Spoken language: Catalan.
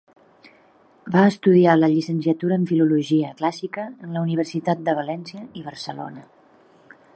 Va estudiar la llicenciatura en Filologia Clàssica en la Universitat de València i Barcelona.